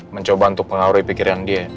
mencoba untuk mengawari pikiran dia